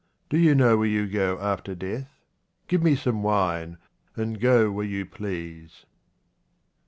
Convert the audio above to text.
Do you know where you go after death ? Give me some wine, and go where you please.